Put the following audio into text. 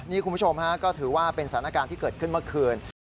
นี่คุณผู้ชมฮะก็ถือว่าเป็นสถานการณ์ที่เกิดขึ้นเมื่อคืน